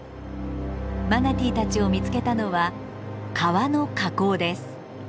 マナティーたちを見つけたのは川の河口です。